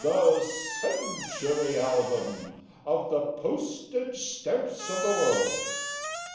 _ The CENTURY ALBUM OF THE Postage Stamps of the World.